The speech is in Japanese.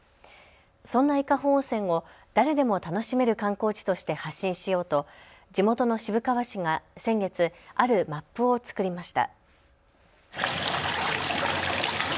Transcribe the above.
そんな伊香保温泉を誰でも楽しめる観光地として発信しようと地元の渋川市が、先月、あるマップを作りました。